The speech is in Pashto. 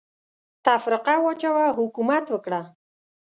تفرقه واچوه ، حکومت وکړه.